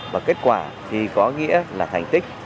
và kết quả thì có nghĩa là thành tích